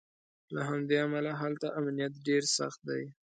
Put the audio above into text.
له همدې امله هلته امنیت ډېر سخت دی.